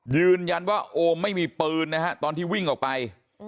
ยืนยันว่าโอมไม่มีปืนนะฮะตอนที่วิ่งออกไป